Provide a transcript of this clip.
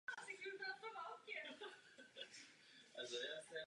Jeho nejznámější využití je v textilní výrobě a také pro výrobu papíru.